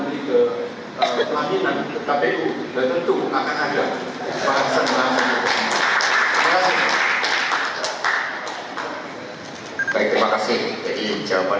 nah satu lagi salah jawabannya memang tahapan kerjasama politik ini belum masuk pada tahapan itu